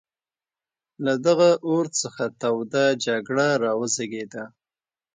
له دغه اور څخه توده جګړه را وزېږېده.